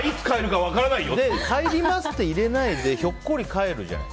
帰りますって言わないでひょっこり帰るじゃない。